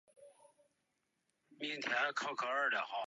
九龙及新界地区电力供应中断数天。